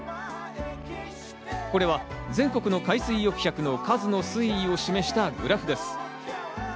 これは全国の海水浴客の数の推移を示したグラフです。